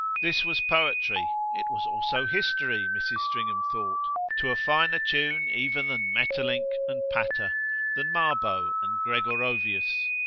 This was poetry it was also history Mrs. Stringham thought, to a finer tune even than Maeterlinck and Pater, than Marbot and Gregorovius.